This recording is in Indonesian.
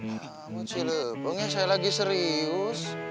kamu cilebong ini saya lagi serius